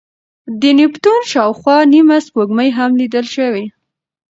د نیپتون شاوخوا نیمه سپوږمۍ هم لیدل شوې.